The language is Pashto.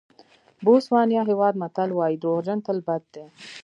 بوسوانیا هېواد متل وایي دروغجن تل بد دي.